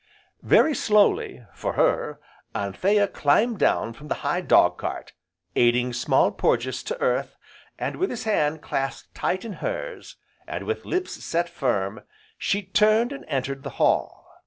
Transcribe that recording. Very slowly, for her, Anthea climbed down from the high dog cart, aiding Small Porges to earth, and with his hand clasped tight in hers, and with lips set firm, she turned and entered the hall.